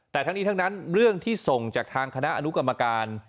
แต่ทั้งนี้ทั้งนั้นเรื่องที่ส่งจากทางคณะอนุกรรมการ